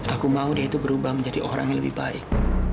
aku mau dia itu berubah menjadi orang yang lebih baik